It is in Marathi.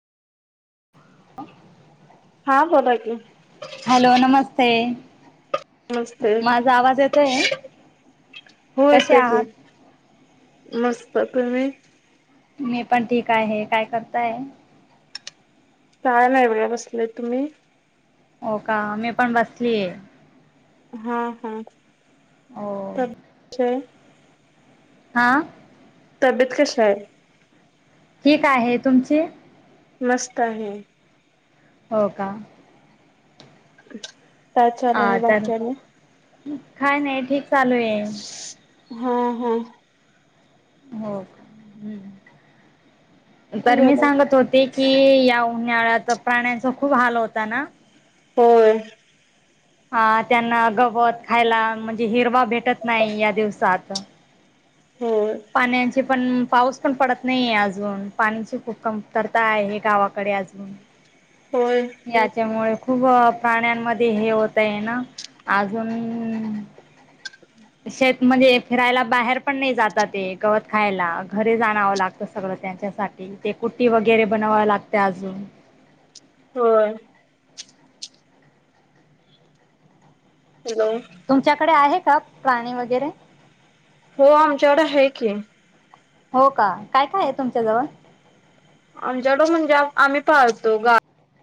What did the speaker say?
अ हा बोला क हॅलो नमस्ते नमस्ते माझा आवाज येतोय हो कसे येतो की आहात मस्तक म. मी पण ठीक आहे काय करताय. काय नाही एवळे बसले तुम्ही हो का मी पण बसलीय हा हा. हो. छ हा. तबीयेत कशा आहे. ठी काय आहे तुमची मस्त आहे. हो का. अच् हा तर काय नाही ठीक चालू आहे. हा हा. हो् तर मी बोला सांगत होती. कि या उन्हाळ्यात प्राण्यांचा खूप हाल होता ना हो. हा त्यांना गवत खायला म्हणजे हिरवा भेटत नाही या दिवसात. हो. पाण्याचे पण पाऊस पण पडत नाही अजून, पाण्याची खूप कमतरता आहे. गावाकडे अजून हो. याच्यामुळे खूप प्राण्यांमध्ये हे होत आहे ना अजून शेत म्हणजे फिरायला बाहेर पण नाही जातात ते गवत खायला घरी जाणवं लागत. सगळं त्यांच्यासाठी ते कुट्टी वगैरे बनवाव लागते अजून. हो. हॅलो. तुमच्याकडे आहे का प्राणी वगैरे. हो आमच्याकड आहे की. हो का काय काय आहे तुमच्या जवळ आमच्याडं म्हणजे आम्ही पाहतो गा